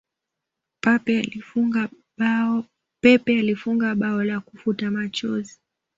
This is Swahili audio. pepe alifunga bao la kufuta machozi